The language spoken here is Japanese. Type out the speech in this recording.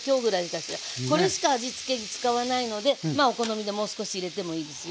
これしか味つけ使わないのでお好みでもう少し入れてもいいですよ。